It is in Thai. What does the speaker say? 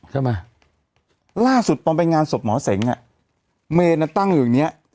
ใช่ไหมล่าสุดตอนไปงานศพหมอเสงอ่ะเมนตั้งอยู่อย่างเงี้ย